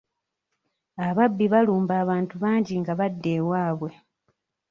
Ababbi balumba abantu bangi nga badda ewaabwe.